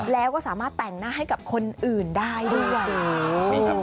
แล้วก็สามารถแต่งหน้าให้กับคนอื่นได้ด้วย